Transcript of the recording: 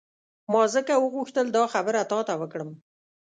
ما ځکه وغوښتل دا خبره تا ته وکړم.